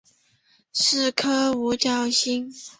是颗五角星。